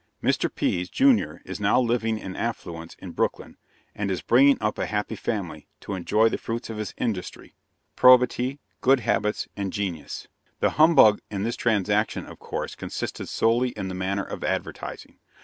Mr. Pease, Junior, is now living in affluence in Brooklyn, and is bringing up a "happy family" to enjoy the fruits of his industry, probity, good habits, and genius. The "humbug" in this transaction, of course consisted solely in the manner of advertising.